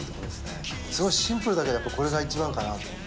すごいシンプルだけどやっぱりこれが一番かな。